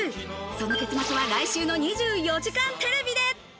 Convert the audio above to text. その結末は来週の『２４時間テレビ』で。